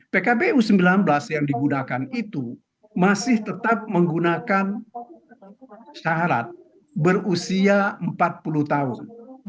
pkpu sembilan belas yang digunakan itu masih tetap menggunakan syarat berusia empat puluh tahun